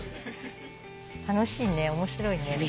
楽しいね面白いね。